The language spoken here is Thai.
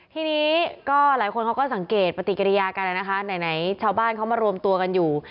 ทีนี้ก็หลายคนเขาก็สังเกตปฏิกิริยากันนะคะไหนชาวบ้านเขามารวมตัวกันอยู่